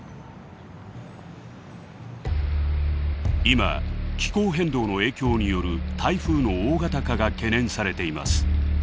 今気候変動の影響による台風の大型化が懸念されています。